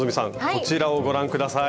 こちらをご覧下さい！